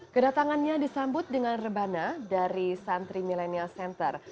kedatangannya disambut dengan rebana dari santri millennial center